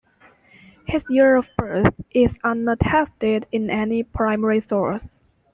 His year of birth is unattested in any primary source.